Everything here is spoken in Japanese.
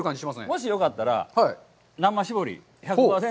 もしよかったら、生搾り１００％